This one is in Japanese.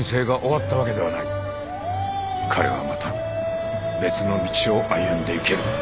彼はまた別の道を歩んでいける。